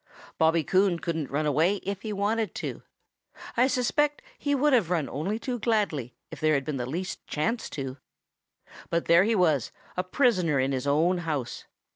|BOBBY COON couldn't run away if he wanted to. I suspect that he would have run only too gladly if there had been the least chance to. But there he was, a prisoner in his own house.